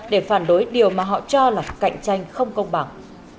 để phản đối điều mà họ cho là cạnh tranh không công bằng